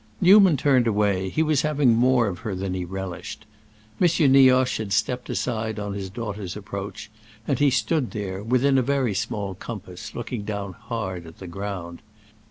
Newman turned away; he was having more of her than he relished. M. Nioche had stepped aside on his daughter's approach, and he stood there, within a very small compass, looking down hard at the ground.